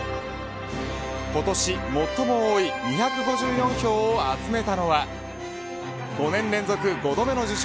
今年最も多い２５４票を集めたのは５年連続５個目の受賞